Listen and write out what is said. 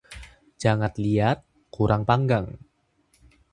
Jangat liat kurang panggang